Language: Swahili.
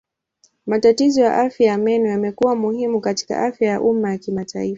Matatizo ya afya ya meno yamekuwa muhimu katika afya ya umma ya kimataifa.